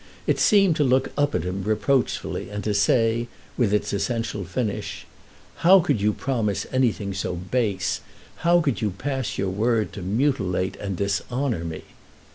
It seemed to look up at him reproachfully and to say, with its essential finish: "How could you promise anything so base; how could you pass your word to mutilate and dishonour me?"